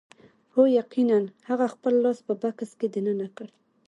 هو یقیناً هغه خپل لاس په بکس کې دننه کړ